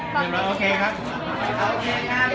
ขอบคุณแม่ก่อนต้องกลางนะครับ